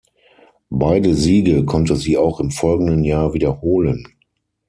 Beide Siege konnte sie auch im folgenden Jahr wiederholen.